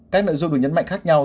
các nội dung được nhấn mạnh khác nhau